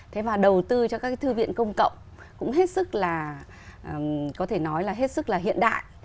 thế và đầu tư cho các thư viện công cộng cũng hết sức là hiện đại